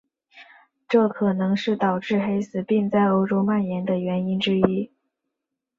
这可能是导致黑死病在欧洲蔓延的原因之一。